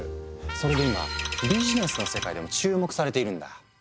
それで今ビジネスの世界でも注目されているんだ。